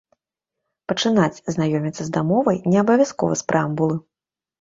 Пачынаць знаёміцца з дамовай не абавязкова з прэамбулы.